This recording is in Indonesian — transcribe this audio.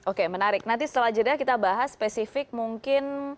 oke menarik nanti setelah jeda kita bahas spesifik mungkin